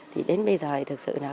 thì đến bây giờ thì thực sự là